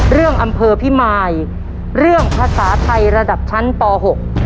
เรื่องอำเภอพิมายเรื่องภาษาไทยระดับชั้นป่อหก